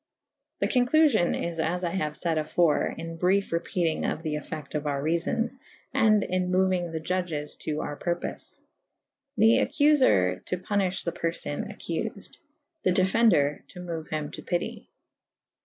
The co«clufio» is as I haue fayd afore in'' briefe repetynge of the effecte of our reafons /& in mouynge the Judges to our [E iv b] purpofe. The accufer to punyffhe the person' accufed. The defender / to moue him to pity.